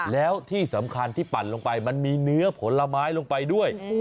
แล้วที่สำคัญที่ปั่นลงไปมันมีเนื้อผลไม้ลงไปด้วย